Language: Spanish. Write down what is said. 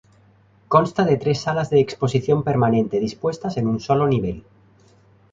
Consta de tres salas de exposición permanente dispuestas en un solo nivel.